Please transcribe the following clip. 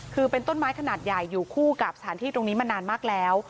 คือเป็นต้นไม้ขนาดใหญ่อยู่คู่กับสถานที่ตรงนี้มานานมากแล้ว